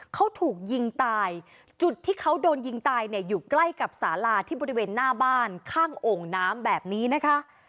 เขาถูกยิงตายจุดที่เขาโดนยิงตายเนี่ยอยู่ใกล้กับสาลาที่บริเวณหน้าบ้านข้างโอ่งน้ำแบบนี้นะคะ